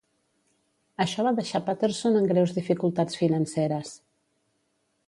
Això va deixar Patterson en greus dificultats financeres.